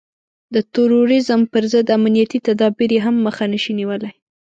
د تروريزم پر ضد امنيتي تدابير يې هم مخه نشي نيولای.